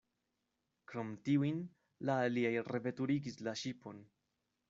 Krom tiujn, la aliaj reveturigis la ŝipon.